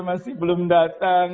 masih belum datang